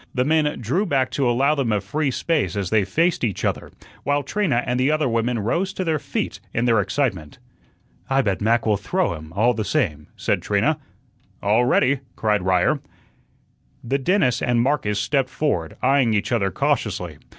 The men drew back to allow them a free space as they faced each other, while Trina and the other women rose to their feet in their excitement. "I bet Mac will throw him, all the same," said Trina. "All ready!" cried Ryer. The dentist and Marcus stepped forward, eyeing each other cautiously.